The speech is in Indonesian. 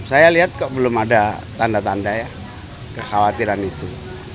saya lihat kok belum ada tanda tanda ya kekhawatiran itu